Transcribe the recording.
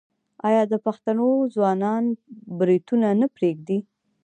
آیا د پښتنو ځوانان بروتونه نه پریږدي؟